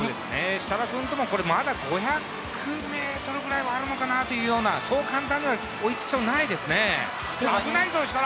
設楽君とか５００ｍはあるのかなという、そう簡単には追いつきそうにないですね、危ないぞ、設楽！